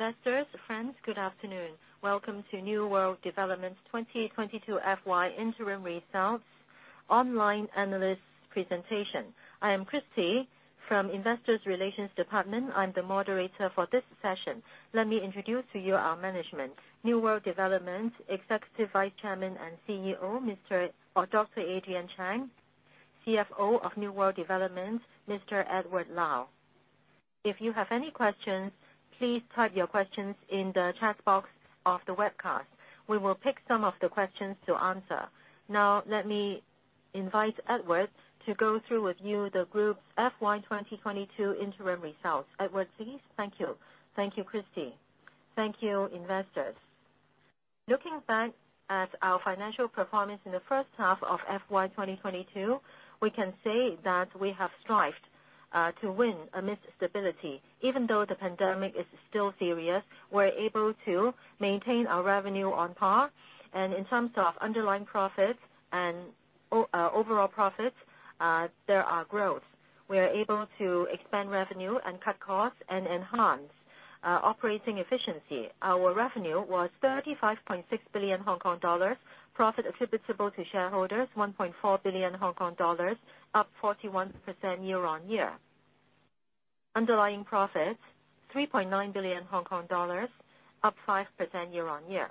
Investors, friends, good afternoon. Welcome to New World Development 2022 FY interim results online analyst presentation. I am Christy from Investor Relations Department. I'm the moderator for this session. Let me introduce to you our management, New World Development Executive Vice Chairman and CEO, Mr. or Dr. Adrian Cheng, CFO of New World Development, Mr. Edward Lau. If you have any questions, please type your questions in the chat box of the webcast. We will pick some of the questions to answer. Now, let me invite Edward to go through with you the group's FY 2022 interim results. Edward, please. Thank you. Thank you, Christy. Thank you, investors. Looking back at our financial performance in the first half of FY 2022, we can say that we have strived to win amidst stability. Even though the pandemic is still serious, we're able to maintain our revenue on par. In terms of underlying profits and overall profits, there are growth. We are able to expand revenue and cut costs and enhance operating efficiency. Our revenue was 35.6 billion Hong Kong dollars. Profit attributable to shareholders, 1.4 billion Hong Kong dollars, up 41% year-on-year. Underlying profits, HKD 3.9 billion, up 5% year-on-year.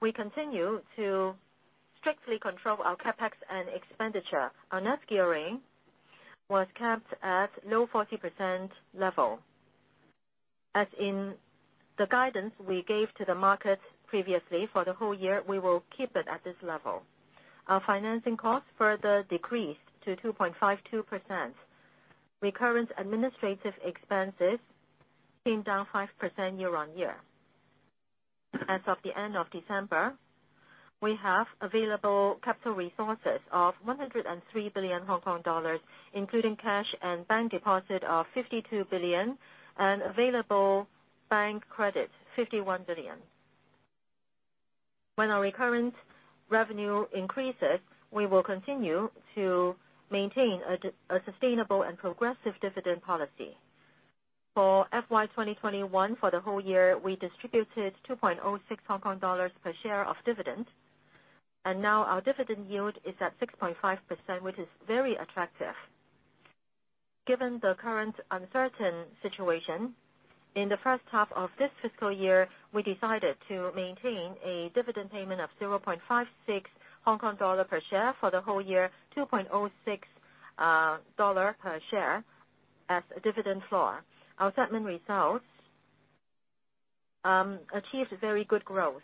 We continue to strictly control our CapEx and expenditure. Our net gearing was capped at low 40% level. As in the guidance we gave to the market previously, for the whole year, we will keep it at this level. Our financing costs further decreased to 2.52%. Recurrent administrative expenses came down 5% year-on-year. As of the end of December, we have available capital resources of 103 billion Hong Kong dollars, including cash and bank deposit of 52 billion and available bank credit, 51 billion. When our recurrent revenue increases, we will continue to maintain a sustainable and progressive dividend policy. For FY 2021, for the whole year, we distributed 2.06 Hong Kong dollars per share of dividend, and now our dividend yield is at 6.5%, which is very attractive. Given the current uncertain situation, in the first half of this fiscal year, we decided to maintain a dividend payment of 0.56 Hong Kong dollar per share for the whole year, 2.06 dollar per share as a dividend floor. Our segment results achieved very good growth.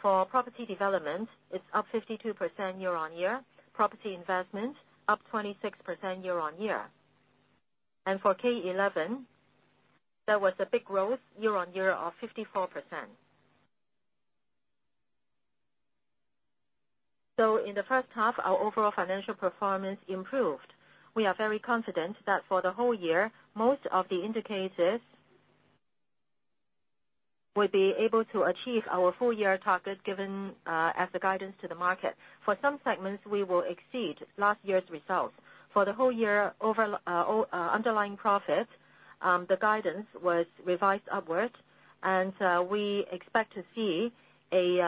For property development, it's up 52% year-on-year. Property investment, up 26% year-on-year. For K11, there was a big growth year-on-year of 54%. In the first half, our overall financial performance improved. We are very confident that for the whole year, most of the indicators will be able to achieve our full year target given as the guidance to the market. For some segments, we will exceed last year's results. For the whole year overall underlying profit, the guidance was revised upward, and we expect to see a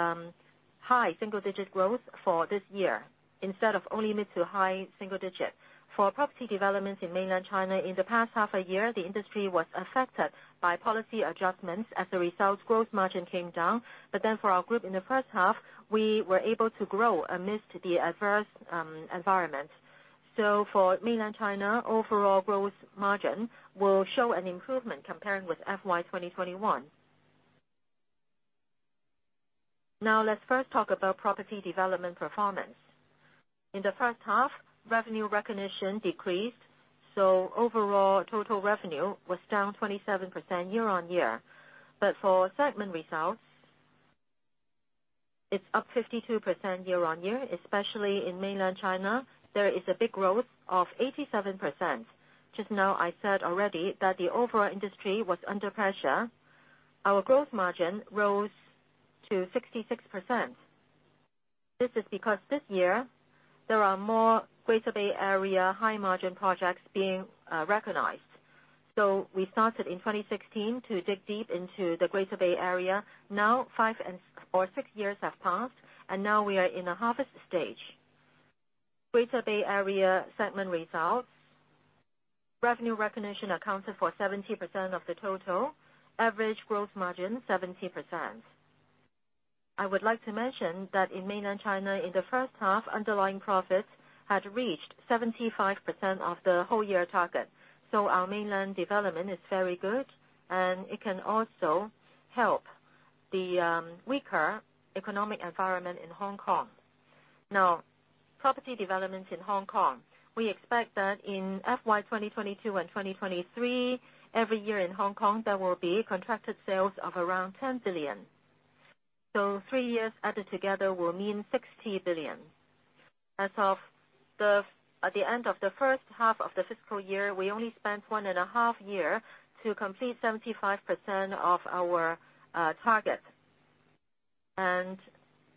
high single-digit growth for this year instead of only mid-to-high single-digit. For property developments in mainland China, in the past half a year, the industry was affected by policy adjustments. As a result, growth margin came down. For our group in the first half, we were able to grow amidst the adverse environment. For mainland China, overall growth margin will show an improvement comparing with FY 2021. Now, let's first talk about property development performance. In the first half, revenue recognition decreased, so overall total revenue was down 27% year-on-year. For segment results, it's up 52% year-on-year, especially in mainland China, there is a big growth of 87%. Just now, I said already that the overall industry was under pressure. Our growth margin rose to 66%. This is because this year there are more Greater Bay Area high-margin projects being recognized. We started in 2016 to dig deep into the Greater Bay Area. Now five or six years have passed, and now we are in a harvest stage. Greater Bay Area segment results, revenue recognition accounted for 70% of the total. Average growth margin, 70%. I would like to mention that in mainland China, in the first half, underlying profits had reached 75% of the whole year target. Our mainland development is very good, and it can also help the weaker economic environment in Hong Kong. Now, property development in Hong Kong. We expect that in FY 2022 and 2023, every year in Hong Kong, there will be contracted sales of around 10 billion. Three years added together will mean 60 billion. As of the end of the first half of the fiscal year, we only spent 1.5 years to complete 75% of our target.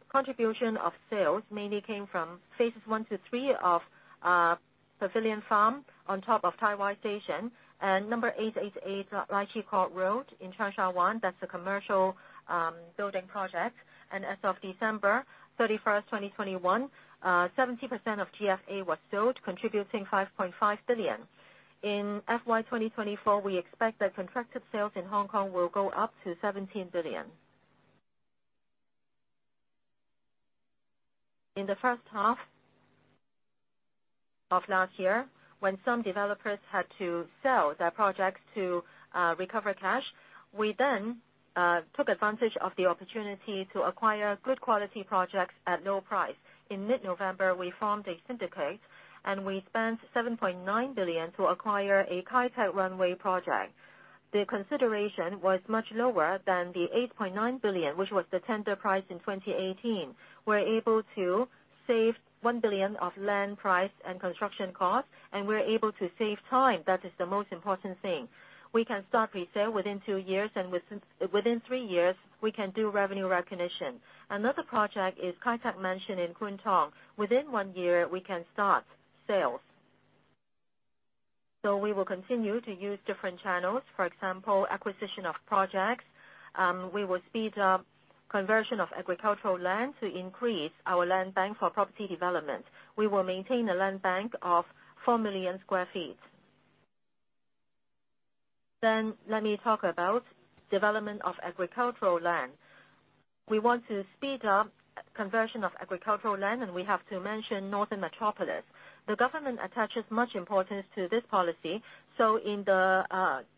Contribution of sales mainly came from phases 1-3 of The Pavilia Farm on top of Tai Wai Station and 888 Lai Chi Kok Road in Cheung Sha Wan. That's a commercial building project. As of December 31st, 2021, 70% of GFA was sold, contributing 5.5 billion. In FY 2024, we expect that contracted sales in Hong Kong will go up to 17 billion. In the first half of last year, when some developers had to sell their projects to recover cash, we took advantage of the opportunity to acquire good quality projects at low price. In mid-November, we formed a syndicate, and we spent 7.9 billion to acquire a Kai Tak Runway project. The consideration was much lower than the 8.9 billion, which was the tender price in 2018. We're able to save 1 billion of land price and construction costs, and we're able to save time. That is the most important thing. We can start pre-sale within two years, and within three years, we can do revenue recognition. Another project is Kai Tak Mansion in Kwun Tong. Within one year, we can start sales. We will continue to use different channels, for example, acquisition of projects. We will speed up conversion of agricultural land to increase our land bank for property development. We will maintain a land bank of 4 million sq ft. Let me talk about development of agricultural land. We want to speed up conversion of agricultural land, and we have to mention Northern Metropolis. The government attaches much importance to this policy. In the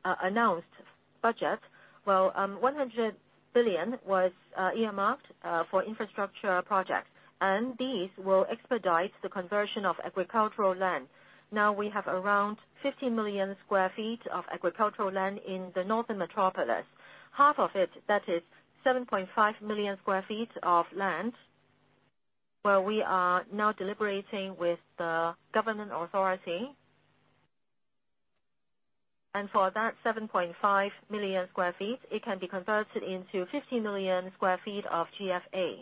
announced budget, 100 billion was earmarked for infrastructure projects, and these will expedite the conversion of agricultural land. Now, we have around 50 million sq ft of agricultural land in the Northern Metropolis. Half of it, that is 7.5 million sq ft of land, where we are now deliberating with the government authority. For that 7.5 million sq ft, it can be converted into 50 million sq ft of GFA.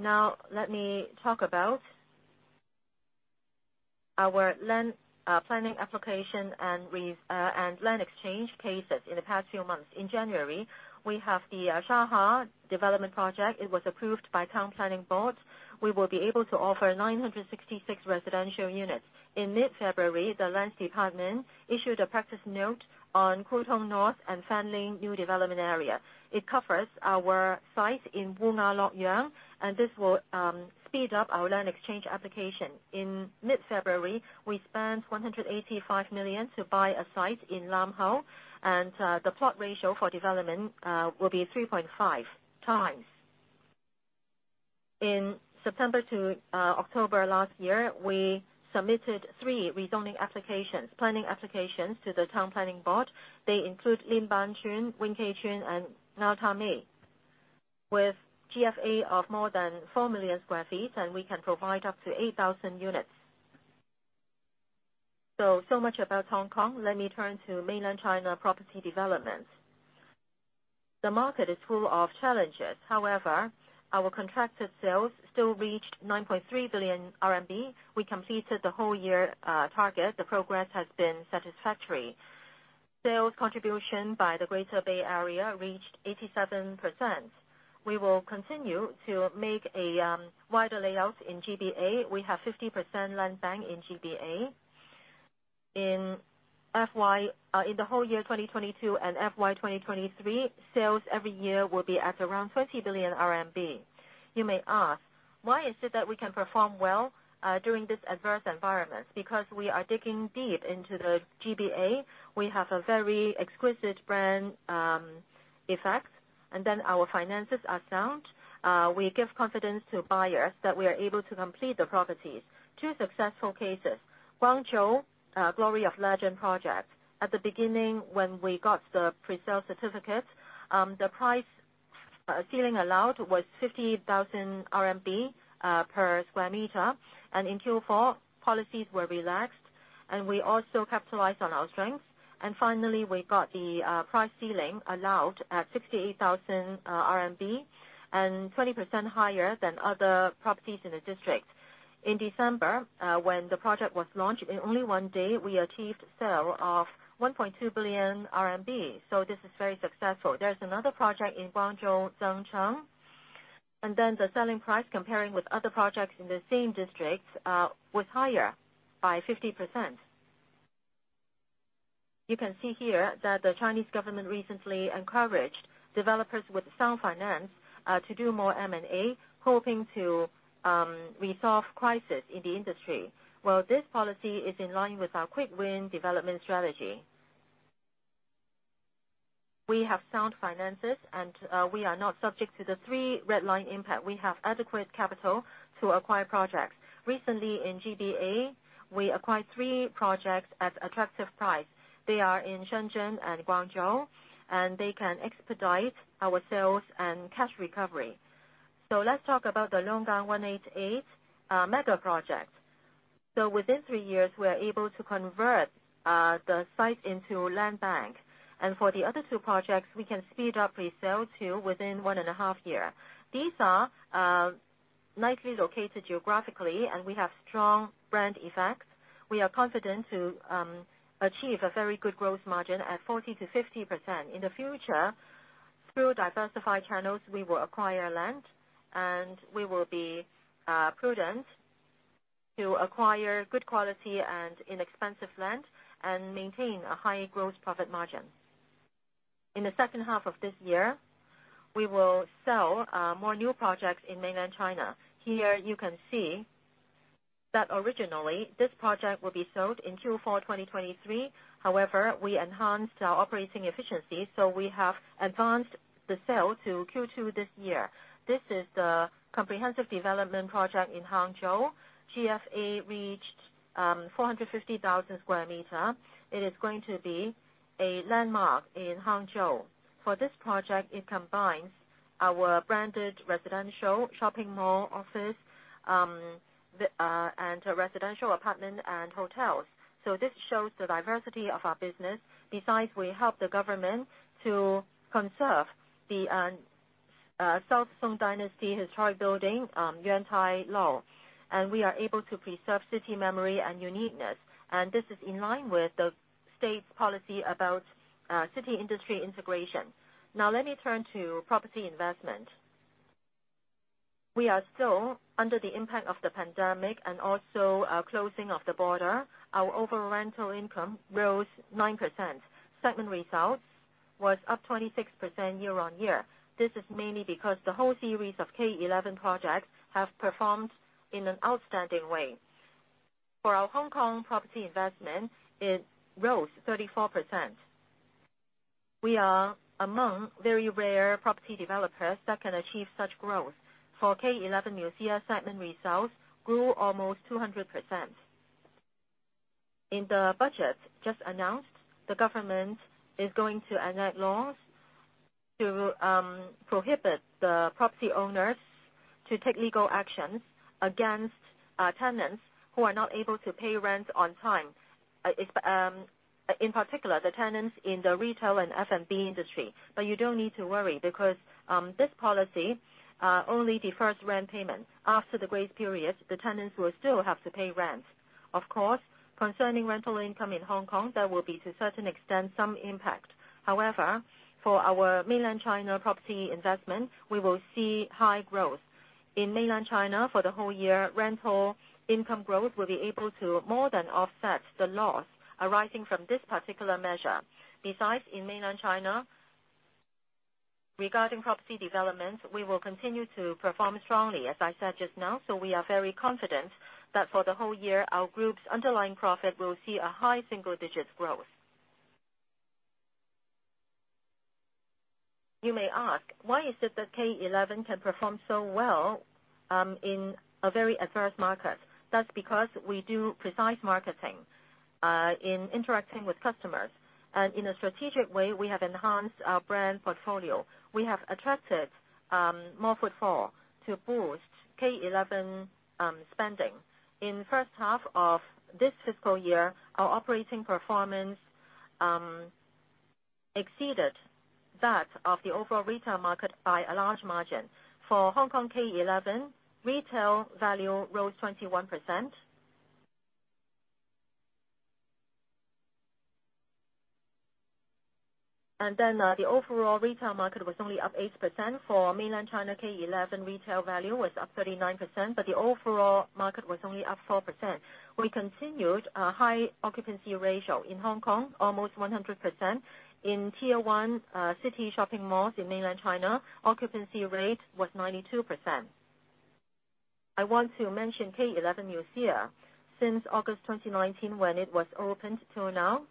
Now let me talk about our land planning application and land exchange cases in the past few months. In January, we have the Sha Ha development project. It was approved by Town Planning Board. We will be able to offer 966 residential units. In mid-February, the Lands Department issued a practice note on Kwu Tung North and Fanling North new development area. It covers our site in Wong Nai Tau, and this will speed up our land exchange application. In mid-February, we spent 185 million to buy a site in Lam Hau, and the plot ratio for development will be 3.5x. In September to October last year, we submitted three rezoning applications, planning applications to the Town Planning Board. They include Nam Wan Tsuen, Wing Kei Tsuen, and Lau Fau Shan. With GFA of more than 4 million sq ft, and we can provide up to 8,000 units. So much about Hong Kong. Let me turn to Mainland China property development. The market is full of challenges. However, our contracted sales still reached 9.3 billion RMB. We completed the whole year target. The progress has been satisfactory. Sales contribution by the Greater Bay Area reached 87%. We will continue to make a wider layout in GBA. We have 50% land bank in GBA. In the whole year 2022 and FY 2023, sales every year will be at around 20 billion RMB. You may ask, why is it that we can perform well during this adverse environment? Because we are digging deep into the GBA. We have a very exquisite brand effect, and then our finances are sound. We give confidence to buyers that we are able to complete the properties. Two successful cases. Guangzhou Glory of Legend project. At the beginning when we got the pre-sale certificate, the price ceiling allowed was 50,000 RMB per square meter. In Q4, policies were relaxed, and we also capitalized on our strengths. Finally, we got the price ceiling allowed at 68,000 RMB and 20% higher than other properties in the district. In December, when the project was launched, in only one day, we achieved sale of 1.2 billion RMB, so this is very successful. There's another project in Guangzhou, Zengcheng, and then the selling price comparing with other projects in the same district, was higher by 50%. You can see here that the Chinese government recently encouraged developers with sound finance, to do more M&A, hoping to resolve crisis in the industry. Well, this policy is in line with our quick win development strategy. We have sound finances, and we are not subject to the three red lines impact. We have adequate capital to acquire projects. Recently in GBA, we acquired three projects at attractive price. They are in Shenzhen and Guangzhou, and they can expedite our sales and cash recovery. Let's talk about the Longgang 188 mega project. Within three years, we are able to convert the site into land bank. For the other two projects, we can speed up resale to within 1.5 years. These are nicely located geographically, and we have strong brand effects. We are confident to achieve a very good gross margin at 40%-50%. In the future, through diversified channels, we will acquire land, and we will be prudent to acquire good quality and inexpensive land and maintain a high gross profit margin. In the second half of this year, we will sell more new projects in Mainland China. Here you can see that originally, this project will be sold in Q4 2023. However, we enhanced our operating efficiency, so we have advanced the sale to Q2 this year. This is the comprehensive development project in Hangzhou. GFA reached 450,000 sq m. It is going to be a landmark in Hangzhou. For this project, it combines our branded residential, shopping mall, office, and residential apartment and hotels. This shows the diversity of our business. Besides, we help the government to conserve the Southern Song Dynasty historic building, Yantai Hill, and we are able to preserve city memory and uniqueness. This is in line with the state's policy about city industry integration. Now let me turn to property investment. We are still under the impact of the pandemic and also closing of the border. Our overall rental income rose 9%. Segment results was up 26% year-on-year. This is mainly because the whole series of K11 projects have performed in an outstanding way. For our Hong Kong property investment, it rose 34%. We are among very rare property developers that can achieve such growth. For K11 MUSEA segment results grew almost 200%. In the budget just announced, the government is going to enact laws to prohibit the property owners to take legal actions against tenants who are not able to pay rent on time, in particular, the tenants in the retail and F&B industry. You don't need to worry because this policy only defers rent payment. After the grace period, the tenants will still have to pay rent. Of course, concerning rental income in Hong Kong, there will be, to a certain extent, some impact. However, for our Mainland China property investment, we will see high growth. In Mainland China for the whole year, rental income growth will be able to more than offset the loss arising from this particular measure. Besides, in Mainland China, regarding property development, we will continue to perform strongly, as I said just now. We are very confident that for the whole year, our group's underlying profit will see a high single-digit growth. You may ask, why is it that K11 can perform so well in a very adverse market? That's because we do precise marketing in interacting with customers, and in a strategic way, we have enhanced our brand portfolio. We have attracted more footfall to boost K11 spending. In the first half of this fiscal year, our operating performance exceeded that of the overall retail market by a large margin. For Hong Kong K11, retail value rose 21%. The overall retail market was only up 8%. For Mainland China K11, retail value was up 39%, but the overall market was only up 4%. We continued a high occupancy ratio. In Hong Kong, almost 100%. In Tier 1 city shopping malls in Mainland China, occupancy rate was 92%. I want to mention K11 MUSEA. Since August 2019, when it was opened till now,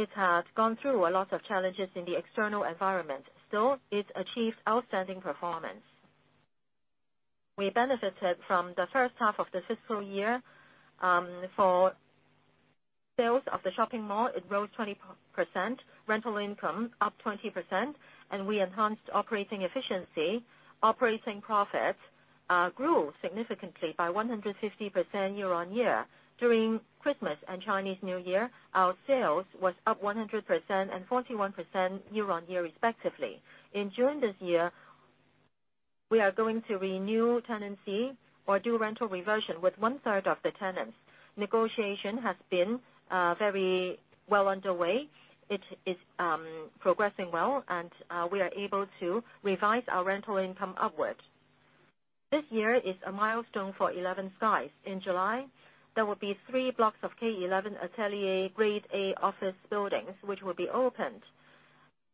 it has gone through a lot of challenges in the external environment. Still, it achieved outstanding performance. We benefited from the first half of the fiscal year, for sales of the shopping mall, it rose 20%, rental income up 20%, and we enhanced operating efficiency. Operating profit grew significantly by 150% year-on-year. During Christmas and Chinese New Year, our sales was up 100% and 41% year-on-year respectively. In June this year, we are going to renew tenancy or do rental reversion with one-third of the tenants. Negotiation has been very well underway. It is progressing well, and we are able to revise our rental income upward. This year is a milestone for 11 SKIES. In July, there will be three blocks of K11 ATELIER Grade A office buildings, which will be opened.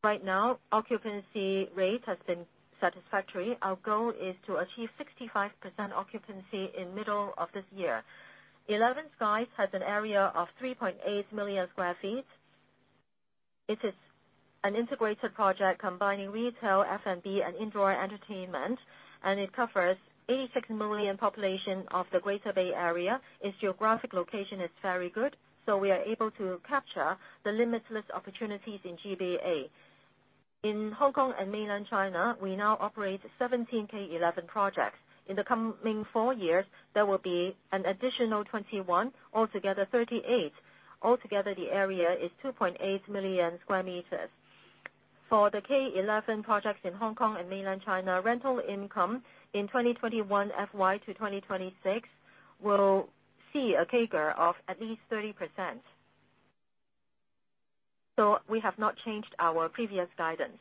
Right now, occupancy rate has been satisfactory. Our goal is to achieve 65% occupancy in middle of this year. 11 SKIES has an area of 3.8 million sq ft. It is an integrated project combining retail, F&B, and indoor entertainment, and it covers 86 million population of the Greater Bay Area. Its geographic location is very good, so we are able to capture the limitless opportunities in GBA. In Hong Kong and Mainland China, we now operate 17 K11 projects. In the coming four years, there will be an additional 21, altogether 38. Altogether, the area is 2.8 million sq m. For the K11 projects in Hong Kong and Mainland China, rental income in FY 2021 to 2026 will see a CAGR of at least 30%. We have not changed our previous guidance.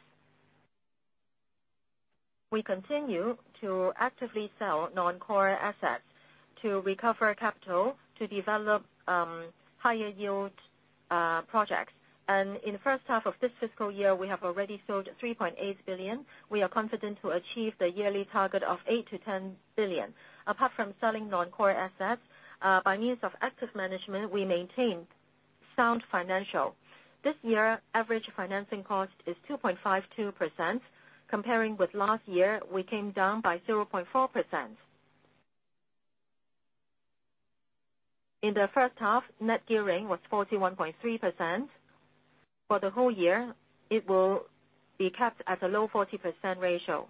We continue to actively sell non-core assets to recover capital to develop higher yield projects. In the first half of this fiscal year, we have already sold 3.8 billion. We are confident to achieve the yearly target of 8 billion-10 billion. Apart from selling non-core assets, by means of active management, we maintain sound financial. This year, average financing cost is 2.52%. Comparing with last year, we came down by 0.4%. In the first half, net gearing was 41.3%. For the whole year, it will be kept at a low 40% ratio.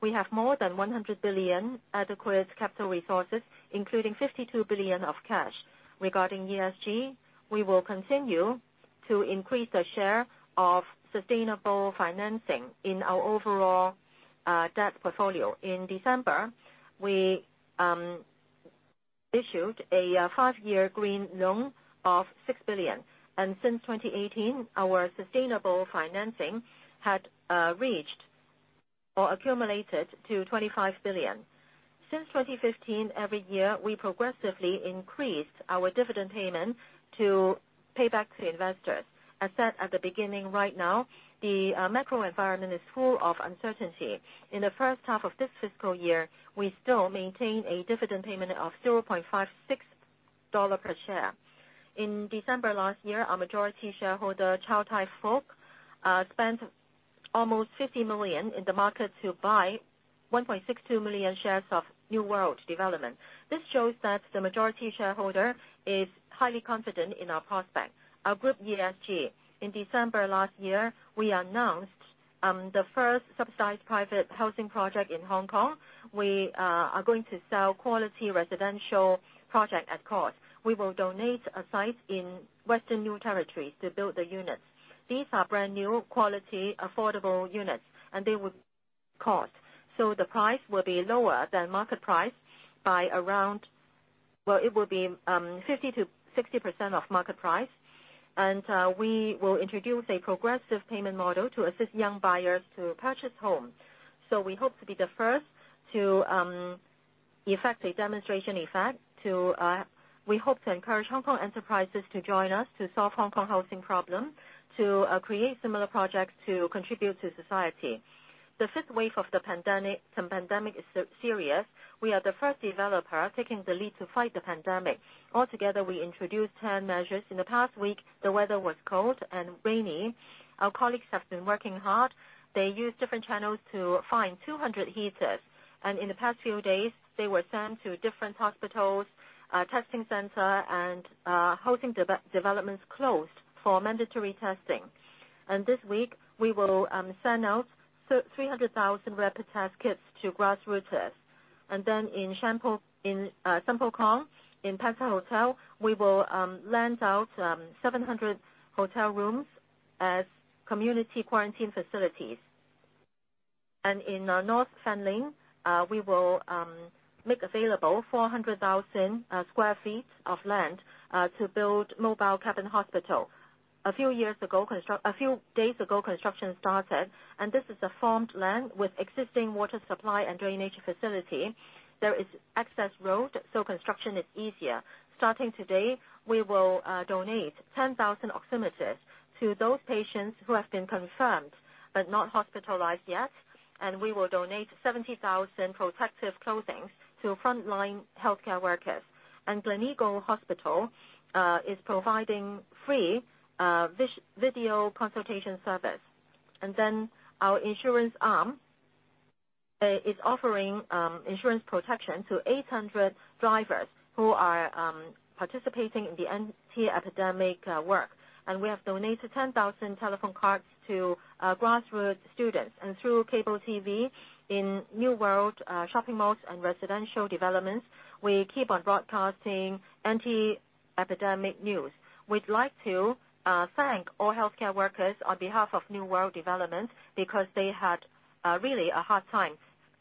We have more than 100 billion adequate capital resources, including 52 billion of cash. Regarding ESG, we will continue to increase the share of sustainable financing in our overall debt portfolio. In December, we issued a five-year green loan of 6 billion. Since 2018, our sustainable financing had reached or accumulated to 25 billion. Since 2015, every year, we progressively increased our dividend payment to pay back to investors. I said at the beginning right now, the macro environment is full of uncertainty. In the first half of this fiscal year, we still maintain a dividend payment of 0.56 dollar per share. In December last year, our majority shareholder, Chow Tai Fook, spent almost 50 million in the market to buy 1.62 million shares of New World Development. This shows that the majority shareholder is highly confident in our prospects. Our group ESG. In December last year, we announced the first subsidized private housing project in Hong Kong. We are going to sell quality residential project at cost. We will donate a site in Western New Territories to build the units. These are brand-new, quality, affordable units, and they would cost. The price will be lower than market price by around 50%-60% of market price. We will introduce a progressive payment model to assist young buyers to purchase home. We hope to be the first to effect a demonstration effect. We hope to encourage Hong Kong enterprises to join us to solve Hong Kong housing problem, to create similar projects to contribute to society. The fifth wave of the pandemic, the pandemic is serious. We are the first developer taking the lead to fight the pandemic. Altogether, we introduced 10 measures. In the past week, the weather was cold and rainy. Our colleagues have been working hard. They used different channels to find 200 heaters, and in the past few days, they were sent to different hospitals, testing center, and housing developments closed for mandatory testing. This week, we will send out 300,000 rapid test kits to grassroots. In Sham Shui Po in Sai Kung in The Peninsula Hong Kong, we will lend out 700 hotel rooms as community quarantine facilities. In Fanling North, we will make available 400,000 sq ft of land to build mobile cabin hospital. A few days ago, construction started, and this is farmland with existing water supply and drainage facility. There is access road, so construction is easier. Starting today, we will donate 10,000 oximeters to those patients who have been confirmed but not hospitalized yet, and we will donate 70,000 protective clothing to frontline healthcare workers. Gleneagles Hospital is providing free video consultation service. Our insurance arm is offering insurance protection to 800 drivers who are participating in the anti-epidemic work. We have donated 10,000 telephone cards to grassroots students. Through cable TV in New World shopping malls and residential developments, we keep on broadcasting anti-epidemic news. We'd like to thank all healthcare workers on behalf of New World Development because they had really a hard time.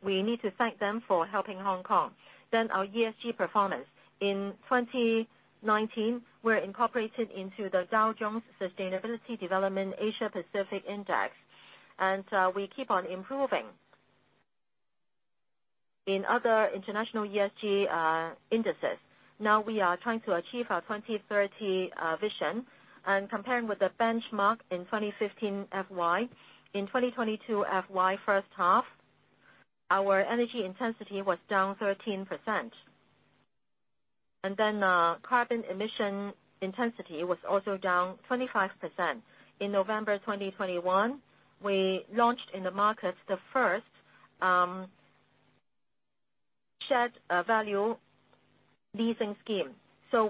We need to thank them for helping Hong Kong. Our ESG performance. In 2019, we're incorporated into the Dow Jones Sustainability Asia Pacific Index, and we keep on improving in other international ESG indices. Now we are trying to achieve our 2030 vision. Comparing with the benchmark in FY 2015, in FY 2022 first half, our energy intensity was down 13%. Carbon emission intensity was also down 25%. In November 2021, we launched in the market the first shared value leasing scheme.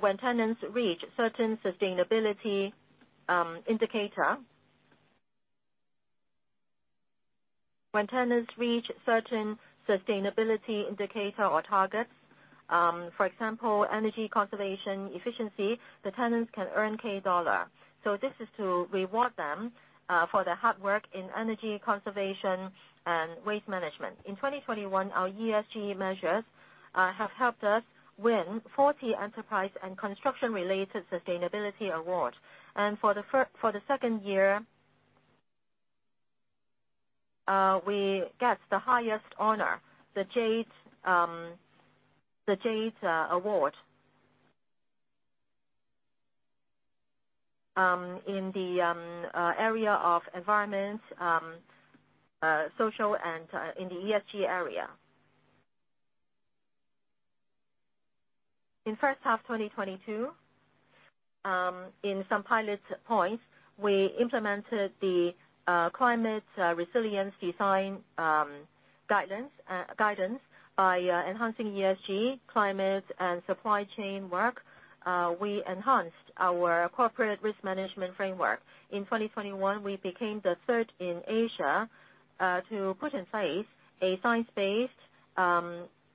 When tenants reach certain sustainability indicator or targets, for example, energy conservation efficiency, the tenants can earn K Dollar. This is to reward them for their hard work in energy conservation and waste management. In 2021, our ESG measures have helped us win 40 enterprise and construction related sustainability award. For the second year, we got the highest honor, the Jade Award, in the area of environment, social and in the ESG area. In first half 2022, in some pilot points, we implemented the climate resilience design guidance by enhancing ESG climate and supply chain work. We enhanced our corporate risk management framework. In 2021, we became the third in Asia to put in place a science-based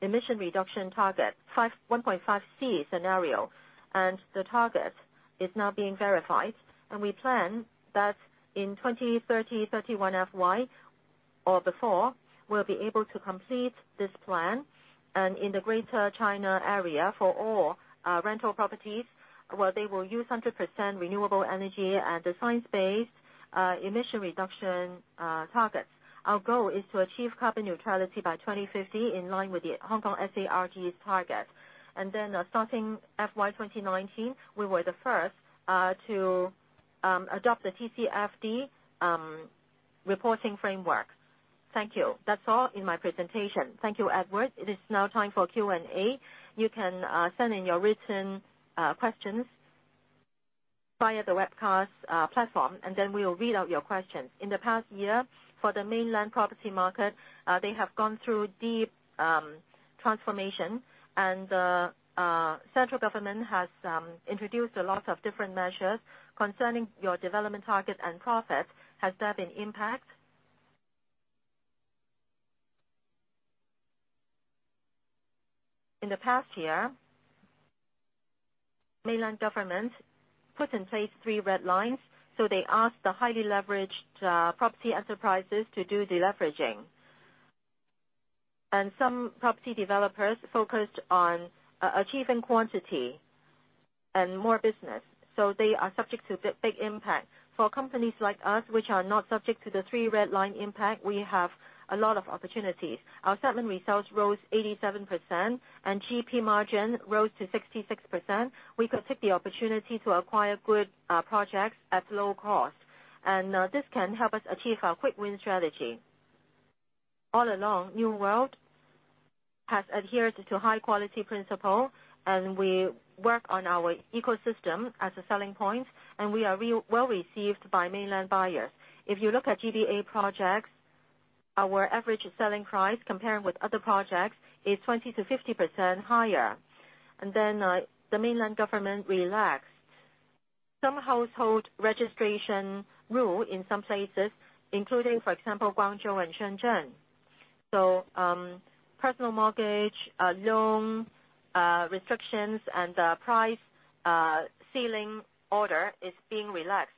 emission reduction target, 1.5°C scenario, and the target is now being verified. We plan that in 2030-2031 FY or before, we'll be able to complete this plan and in the Greater China area for all rental properties, where they will use 100% renewable energy at the science-based emission reduction target. Our goal is to achieve carbon neutrality by 2050 in line with the Hong Kong SAR Government's target. Starting FY 2019, we were the first to adopt the TCFD reporting framework. Thank you. That's all in my presentation. Thank you, Edward. It is now time for Q&A. You can send in your written questions via the webcast platform, and then we will read out your questions. In the past year for the mainland property market, they have gone through deep transformation and central government has introduced a lot of different measures concerning your development target and profit. Has there been impact? In the past year, mainland government put in place three red lines, so they asked the highly leveraged property enterprises to do deleveraging. Some property developers focused on achieving quantity and more business, so they are subject to big impact. For companies like us, which are not subject to the three red lines impact, we have a lot of opportunities. Our settlement results rose 87%, and GP margin rose to 66%. We could take the opportunity to acquire good projects at low cost, and this can help us achieve our quick win strategy. All along, New World has adhered to high quality principle, and we work on our ecosystem as a selling point, and we are well-received by mainland buyers. If you look at GBA projects, our average selling price comparing with other projects is 20%-50% higher. Then, the mainland government relaxed some household registration rule in some places, including, for example, Guangzhou and Shenzhen. Personal mortgage loan restrictions and price ceiling order is being relaxed.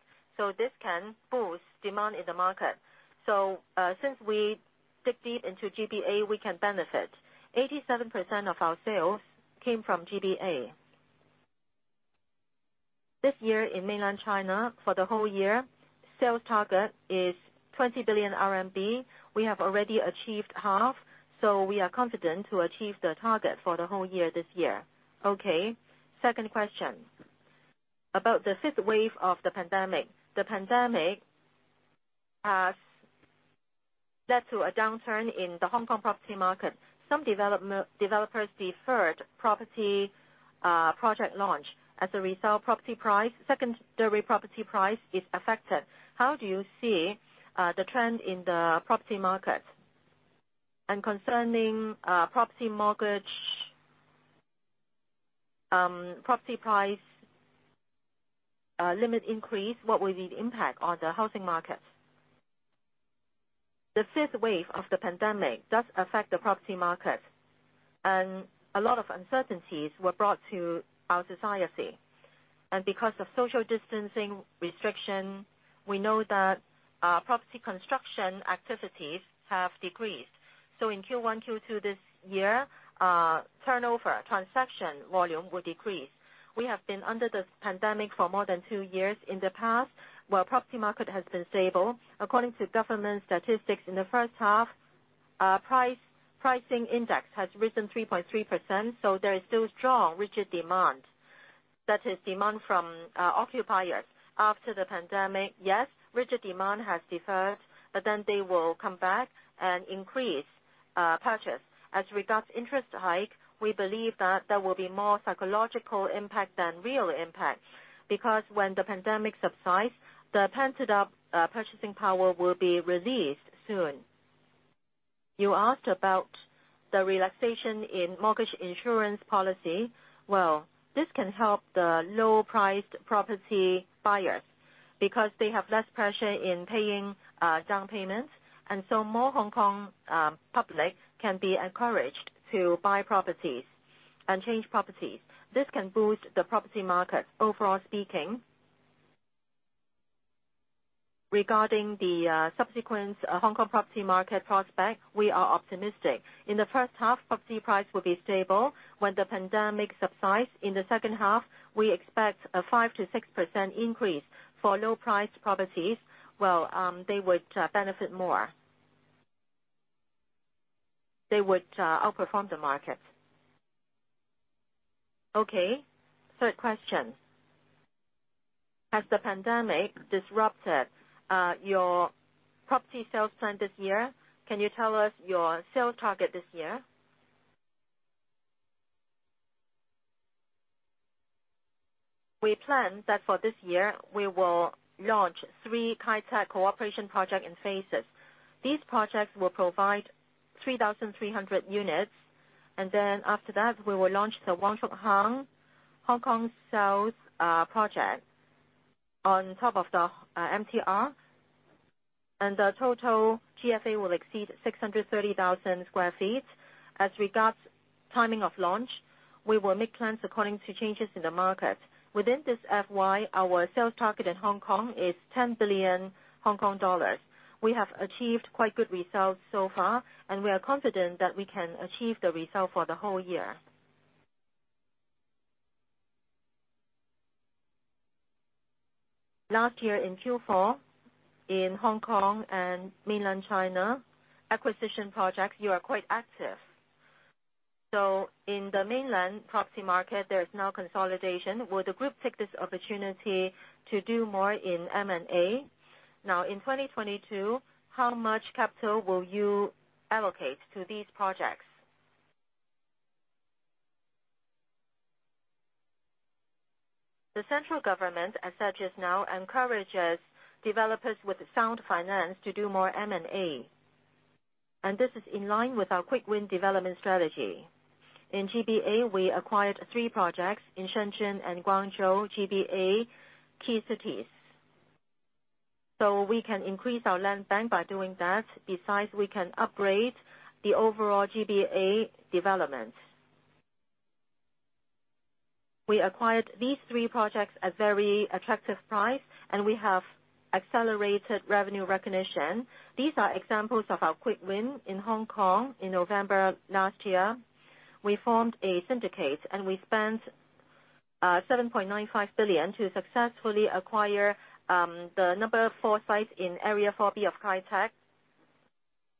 This can boost demand in the market. Since we dig deep into GBA, we can benefit. 87% of our sales came from GBA. This year in Mainland China, for the whole year, sales target is 20 billion RMB. We have already achieved half, so we are confident to achieve the target for the whole year this year. Second question about the fifth wave of the pandemic. The pandemic has led to a downturn in the Hong Kong property market. Some developers deferred property project launch. As a result, property prices, second-hand, third-hand property prices are affected. How do you see the trend in the property market? And concerning property mortgage, property price limit increase, what will be the impact on the housing market? The fifth wave of the pandemic does affect the property market, and a lot of uncertainties were brought to our society. Because of social distancing restriction, we know that property construction activities have decreased. In Q1, Q2 this year, turnover transaction volume will decrease. We have been under this pandemic for more than two years in the past, while property market has been stable. According to government statistics, in the first half, property price index has risen 3.3%, so there is still strong rigid demand. That is demand from, occupiers after the pandemic. Yes, rigid demand has deferred, but then they will come back and increase, purchase. As regards interest hike, we believe that there will be more psychological impact than real impact because when the pandemic subsides, the pent-up, purchasing power will be released soon. You asked about the relaxation in mortgage insurance policy. Well, this can help the low-priced property buyers because they have less pressure in paying, down payments. More Hong Kong public can be encouraged to buy properties and change properties. This can boost the property market overall speaking. Regarding the subsequent Hong Kong property market prospect, we are optimistic. In the first half, property price will be stable when the pandemic subsides. In the second half, we expect a 5%-6% increase for low-priced properties. Well, they would benefit more. They would outperform the market. Okay. Third question: Has the pandemic disrupted your property sales plan this year? Can you tell us your sales target this year? We plan that for this year, we will launch three Kai Tak Mansion projects in phases. These projects will provide 3,300 units. After that, we will launch the Wong Chuk Hang sales project on top of the MTR. The total GFA will exceed 630,000 sq ft. As regards timing of launch, we will make plans according to changes in the market. Within this FY, our sales target in Hong Kong is 10 billion Hong Kong dollars. We have achieved quite good results so far, and we are confident that we can achieve the result for the whole year. Last year in Q4, in Hong Kong and Mainland China acquisition projects, you were quite active. In the Mainland property market, there is now consolidation. Will the group take this opportunity to do more in M&A? Now in 2022, how much capital will you allocate to these projects? The central government, as such, has now encouraged developers with sound finance to do more M&A, and this is in line with our quick win development strategy. In GBA, we acquired three projects in Shenzhen and Guangzhou, GBA key cities. We can increase our land bank by doing that. Besides, we can upgrade the overall GBA development. We acquired these three projects at very attractive price, and we have accelerated revenue recognition. These are examples of our quick win in Hong Kong. In November last year, we formed a syndicate, and we spent 7.95 billion to successfully acquire the number four site in area 4B of Kai Tak.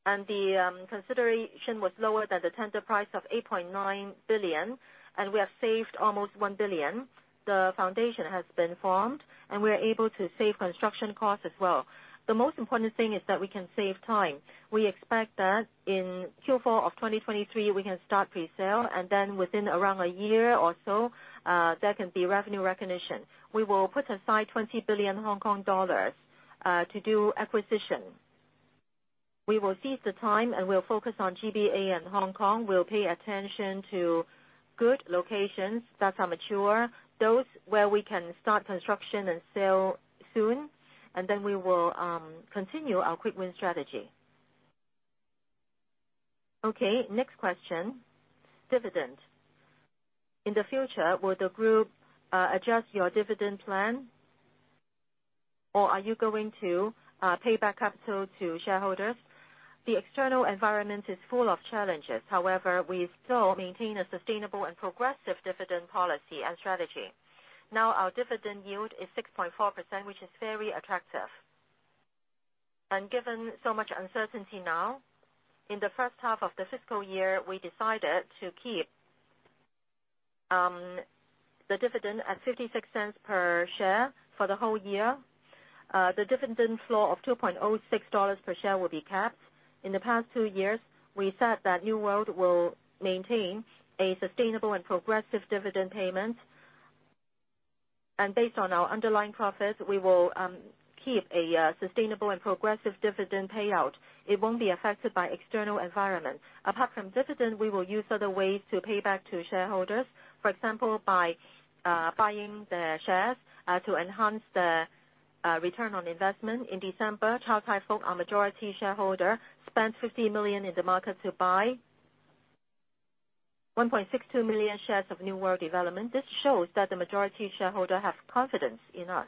The consideration was lower than the tender price of 8.9 billion, and we have saved almost 1 billion. The foundation has been formed, and we are able to save construction costs as well. The most important thing is that we can save time. We expect that in Q4 of 2023, we can start presale, and then within around a year or so, there can be revenue recognition. We will put aside 20 billion Hong Kong dollars to do acquisition. We will seize the time, and we'll focus on GBA and Hong Kong. We'll pay attention to good locations that are mature, those where we can start construction and sale soon, and then we will continue our quick win strategy. Okay. Next question, dividend. In the future, will the group adjust your dividend plan, or are you going to pay back capital to shareholders? The external environment is full of challenges. However, we still maintain a sustainable and progressive dividend policy and strategy. Now, our dividend yield is 6.4%, which is very attractive. Given so much uncertainty now, in the first half of the fiscal year, we decided to keep the dividend at 0.56 per share for the whole year. The dividend flow of 2.06 dollars per share will be kept. In the past two years, we said that New World will maintain a sustainable and progressive dividend payment. Based on our underlying profits, we will keep a sustainable and progressive dividend payout. It won't be affected by external environment. Apart from dividend, we will use other ways to pay back to shareholders. For example, by buying the shares to enhance the return on investment. In December, Chow Tai Fook, our majority shareholder, spent 50 million in the market to buy 1.62 million shares of New World Development. This shows that the majority shareholder have confidence in us.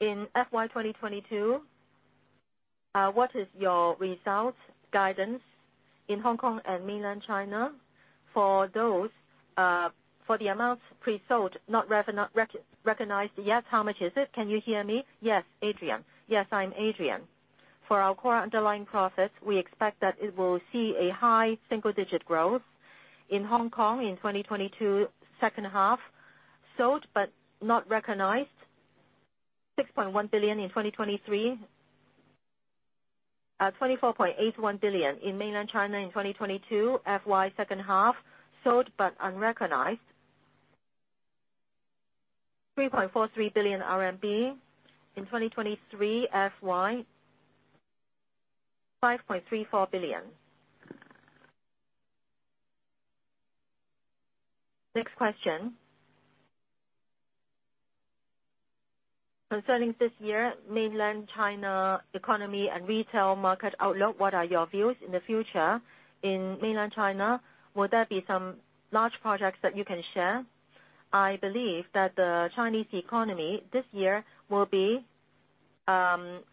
In FY 2022, what is your results guidance in Hong Kong and Mainland China for those, for the amount pre-sold, not recognized yet, how much is it? Can you hear me? Yes, Adrian. Yes, I'm Adrian. For our core underlying profits, we expect that it will see a high single-digit growth. In Hong Kong in 2022 second half, sold but not recognized: 6.1 billion in 2023: 24.81 billion in mainland China in 2022 FY second half, sold but unrecognized: 3.43 billion RMB. In 2023 FY, 5.34 billion. Next question. Concerning this year, mainland China economy and retail market outlook, what are your views in the future in mainland China? Will there be some large projects that you can share? I believe that the Chinese economy this year will be.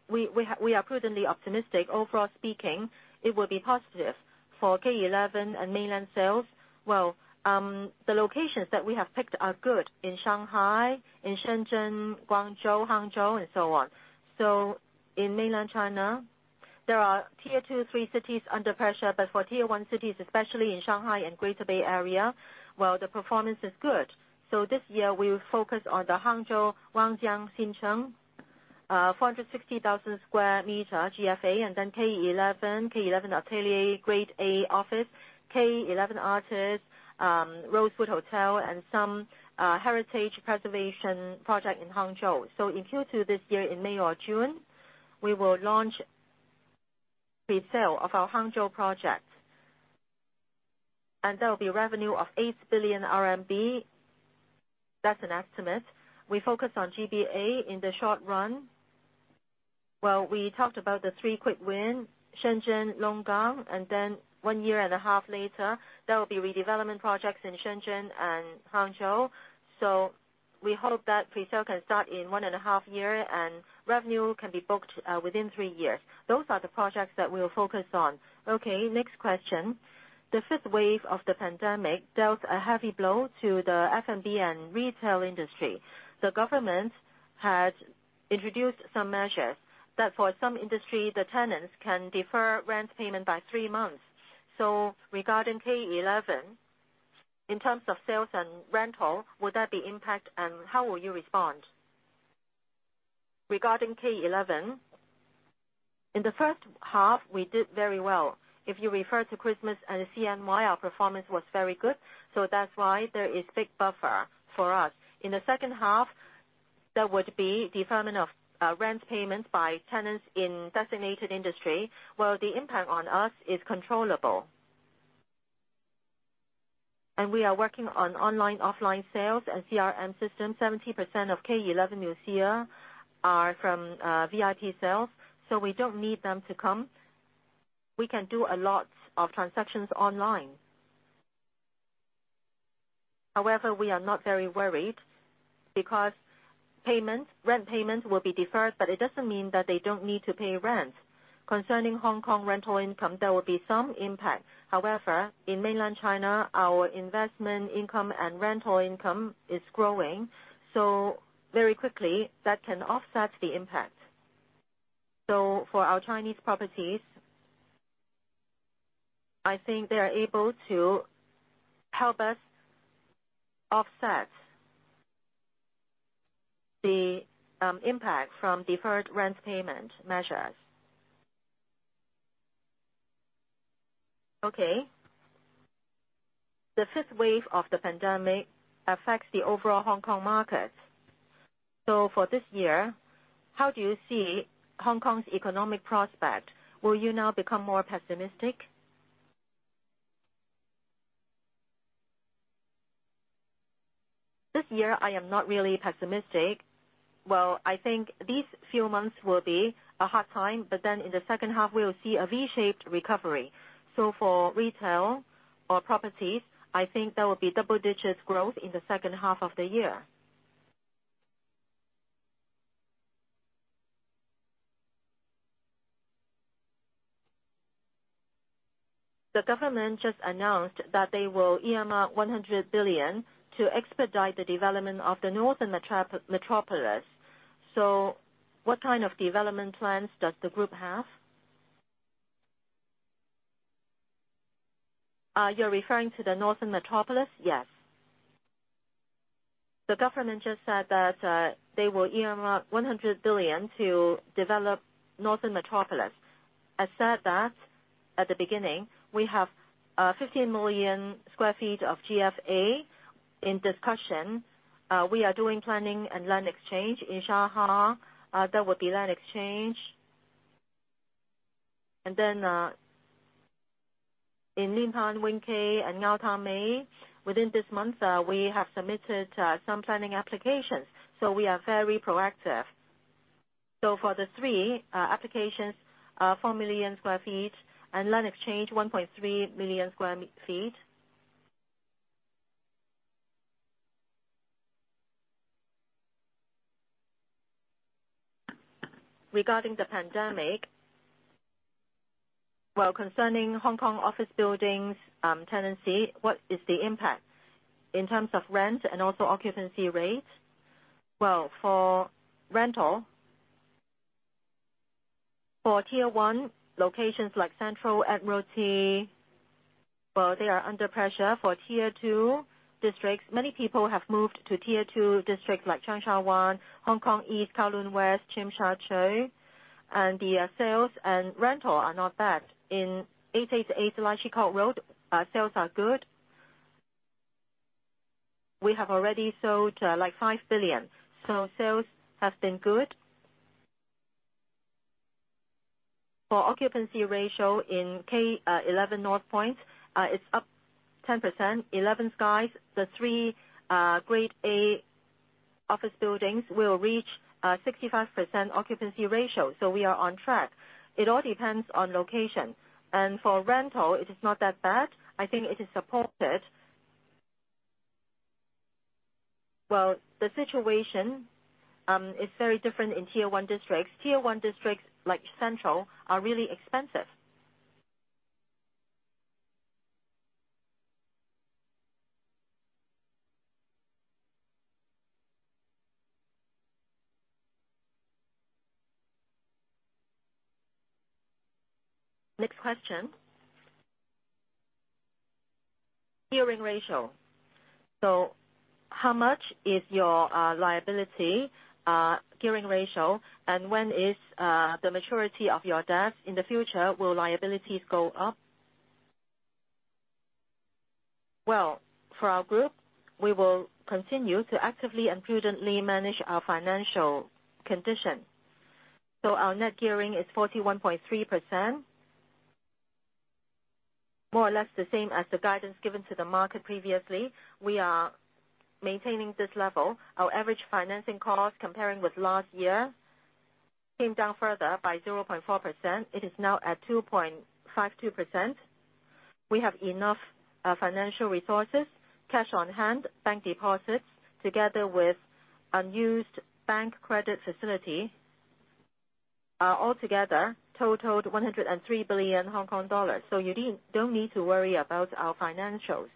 We are prudently optimistic. Overall speaking, it will be positive for K11 and mainland sales. Well, the locations that we have picked are good in Shanghai, in Shenzhen, Guangzhou, Hangzhou, and so on. In mainland China, there are Tier 2, 3 cities under pressure, but for Tier 1 cities, especially in Shanghai and Greater Bay Area, well, the performance is good. This year we will focus on the Hangzhou Wangjiang New City, 460,000 sq m GFA, and then K11 Atelier Grade A office, K11 Artus, Rosewood Hotel and some heritage preservation project in Hangzhou. In Q2 this year, in May or June, we will launch pre-sale of our Hangzhou project. There will be revenue of 8 billion RMB. That's an estimate. We focus on GBA in the short run. Well, we talked about the three quick wins, Shenzhen, Longgang, and then one year and a half later, there will be redevelopment projects in Shenzhen and Hangzhou. We hope that pre-sale can start in one and a half year and revenue can be booked within three years. Those are the projects that we'll focus on. Okay, next question. The fifth wave of the pandemic dealt a heavy blow to the F&B and retail industry. The government has introduced some measures that for some industry, the tenants can defer rent payment by three months. Regarding K11, in terms of sales and rental, would that be impact, and how will you respond? Regarding K11, in the first half we did very well. If you refer to Christmas and CNY, our performance was very good, so that's why there is big buffer for us. In the second half, there would be deferment of rent payments by tenants in designated industry, while the impact on us is controllable. We are working on online, offline sales and CRM system. 70% of K11 MUSEA are from VIP sales, so we don't need them to come. We can do a lot of transactions online. However, we are not very worried because payments, rent payments will be deferred, but it doesn't mean that they don't need to pay rent. Concerning Hong Kong rental income, there will be some impact. However, in mainland China, our investment income and rental income is growing so very quickly that can offset the impact. For our Chinese properties, I think they are able to help us offset the impact from deferred rent payment measures. Okay. The fifth wave of the pandemic affects the overall Hong Kong market. For this year, how do you see Hong Kong's economic prospect? Will you now become more pessimistic? This year I am not really pessimistic. Well, I think these few months will be a hard time, but then in the second half we will see a V-shaped recovery. For retail or properties, I think there will be double-digit growth in the second half of the year. The government just announced that they will earmark 100 billion to expedite the development of the Northern Metropolis. What kind of development plans does the group have? You're referring to the Northern Metropolis? Yes. The government just said that they will earmark 100 billion to develop Northern Metropolis. I said that at the beginning, we have 15 million sq ft of GFA in discussion. We are doing planning and land exchange in Xiamen. That would be land exchange. Then, in Ningbo, Wenpai, and Gaotai, within this month, we have submitted some planning applications, so we are very proactive. For the three applications, 4 million sq ft, and land exchange, 1.3 million sq ft. Regarding the pandemic, while concerning Hong Kong office buildings, tenancy, what is the impact in terms of rent and also occupancy rate? Well, for rental. For Tier1 locations like Central Admiralty, well, they are under pressure for Tier 2 districts. Many people have moved to Tier 2 districts like Cheung Sha Wan, Hong Kong East, Kowloon West, Tsim Sha Tsui, and the sales and rental are not bad. In 888 Lai Chi Kok Road, sales are good. We have already sold, like 5 billion. Sales have been good. For occupancy ratio in K11 North Point, it's up 10%. 11 SKIES, the 3 grade A office buildings will reach 65% occupancy ratio, so we are on track. It all depends on location. For rental, it is not that bad. I think it is supported. Well, the situation is very different in Tier 1 districts. Tier 1 districts like Central are really expensive. Next question. Gearing ratio. So how much is your net gearing ratio? And when is the maturity of your debt? In the future, will liabilities go up? Well, for our group, we will continue to actively and prudently manage our financial condition. Our net gearing is 41.3%. More or less the same as the guidance given to the market previously. We are maintaining this level. Our average financing cost comparing with last year came down further by 0.4%. It is now at 2.52%. We have enough financial resources, cash on hand, bank deposits, together with unused bank credit facility, all together totaled 103 billion Hong Kong dollars. You don't need to worry about our financials.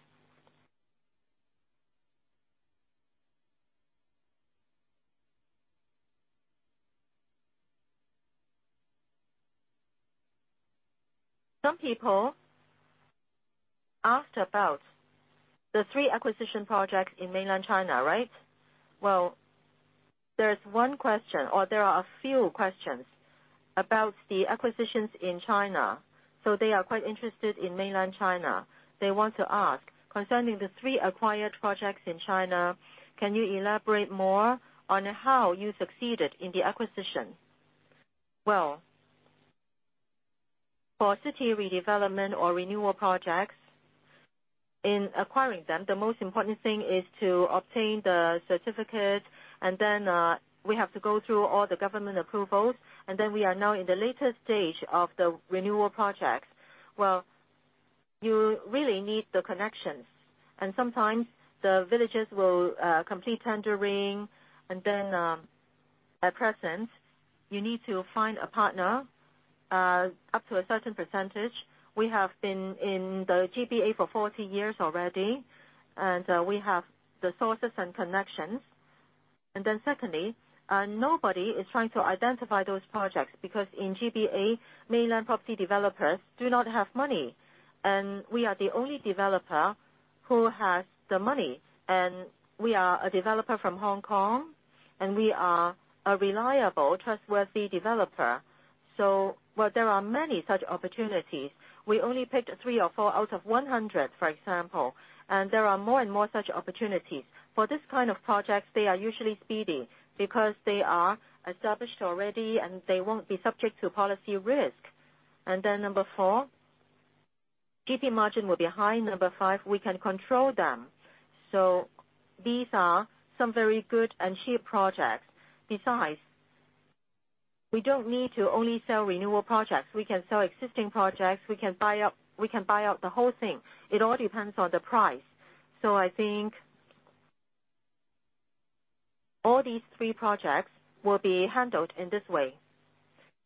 Some people asked about the three acquisition projects in mainland China, right? Well, there's one question or there are a few questions about the acquisitions in China, so they are quite interested in mainland China. They want to ask, concerning the three acquired projects in China, can you elaborate more on how you succeeded in the acquisition? Well, for city redevelopment or renewal projects, in acquiring them, the most important thing is to obtain the certificate. We have to go through all the government approvals, and we are now in the latest stage of the renewal projects. Well, you really need the connections, and sometimes the villages will complete tendering. At present, you need to find a partner up to a certain percentage. We have been in the GBA for 40 years already, and we have the sources and connections. Nobody is trying to identify those projects because in GBA, mainland property developers do not have money. We are the only developer who has the money, and we are a developer from Hong Kong, and we are a reliable, trustworthy developer. While there are many such opportunities, we only picked three or four out of 100, for example. There are more and more such opportunities. For this kind of projects, they are usually speedy because they are established already and they won't be subject to policy risk. Number four, GP margin will be high. Number five, we can control them. These are some very good and cheap projects. Besides, we don't need to only sell renewal projects. We can sell existing projects. We can buy up, we can buy out the whole thing. It all depends on the price. I think all these three projects will be handled in this way.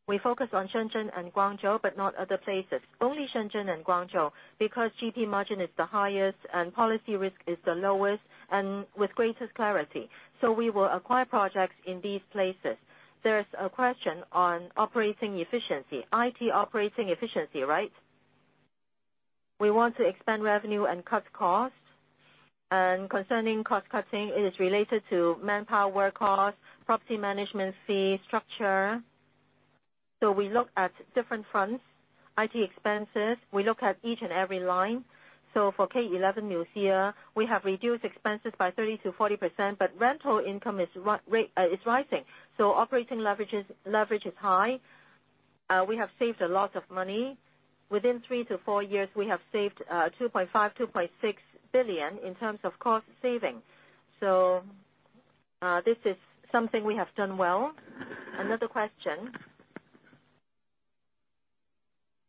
We focus on Shenzhen and Guangzhou, but not other places, only Shenzhen and Guangzhou, because GP margin is the highest and policy risk is the lowest and with greatest clarity. We will acquire projects in these places. There's a question on operating efficiency, IT operating efficiency, right? We want to expand revenue and cut costs. Concerning cost cutting, it is related to manpower costs, property management fee structure. We look at different fronts, IT expenses. We look at each and every line. For K11 MUSEA, we have reduced expenses by 30%-40%, but rental income rate is rising. Operating leverage is high. We have saved a lot of money. Within three-four years, we have saved 2.5 billion-2.6 billion in terms of cost savings. This is something we have done well. Another question.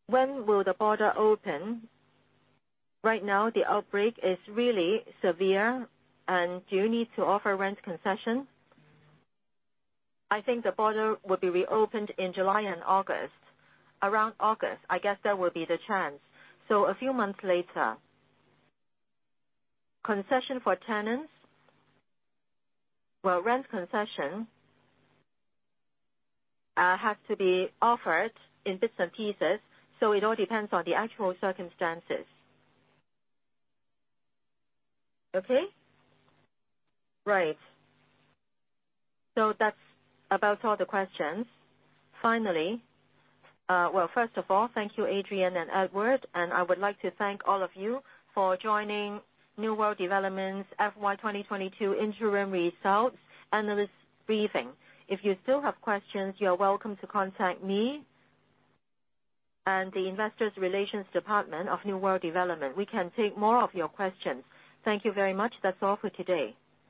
When will the border open? Right now, the outbreak is really severe. Do you need to offer rent concession? I think the border will be reopened in July and August. Around August, I guess that will be the chance. A few months later. Concession for tenants. Well, rent concession has to be offered in bits and pieces, so it all depends on the actual circumstances. Okay. Right. That's about all the questions. Finally, well, first of all, thank you, Adrian and Edward, and I would like to thank all of you for joining New World Development's FY 2022 interim results analyst briefing. If you still have questions, you are welcome to contact me and the Investor Relations department of New World Development. We can take more of your questions. Thank you very much. That's all for today.